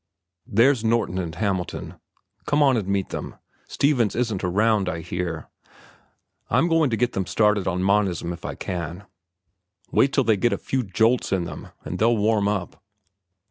"There's Norton and Hamilton; come on and meet them. Stevens isn't around, I hear. I'm going to get them started on monism if I can. Wait till they get a few jolts in them and they'll warm up."